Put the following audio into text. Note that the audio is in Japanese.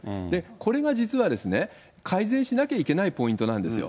これが実はですね、改善しなきゃいけないポイントなんですよ。